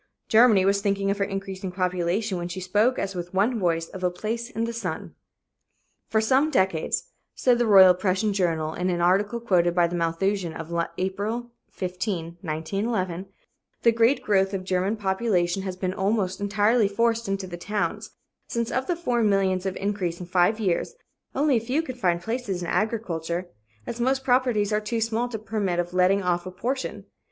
Germany was thinking of her increasing population when she spoke as with one voice of a "place in the sun." "For some decades," said the Royal Prussian Journal, in an article quoted by the Malthusian (London) of April 15, 1911, "the great growth of German population has been almost entirely forced into the towns, since of the four millions of increase in five years, only a few can find places in agriculture, as most properties are too small to permit of letting off a portion.